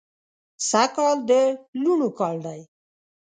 سږ کال د لوڼو کال دی